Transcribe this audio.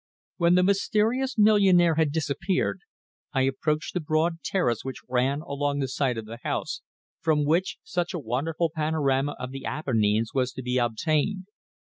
When the mysterious millionaire had disappeared, I approached the broad terrace which ran along the side of the house from which such a wonderful panorama of the Apennines was to be obtained.